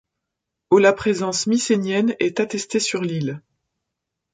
Au la présence mycénienne est attestée sur l'île.